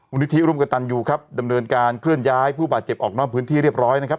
นิธิร่วมกับตันยูครับดำเนินการเคลื่อนย้ายผู้บาดเจ็บออกนอกพื้นที่เรียบร้อยนะครับ